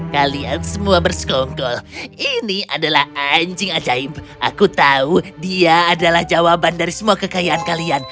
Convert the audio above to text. kalian semua bersekongkol ini adalah anjing ajaib aku tahu dia adalah jawaban dari semua kekayaan kalian